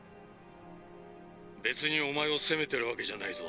別にお前を責めてるわけじゃないぞ。